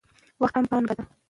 وخت هم پانګه ده.